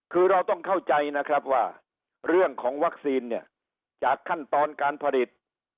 คือเราต้องเข้าใจนะครับว่าเรื่องของวัคซีนเนี่ยจากขั้นตอนการผลิต